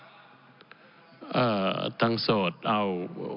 กรมภพธต่างโสดเอา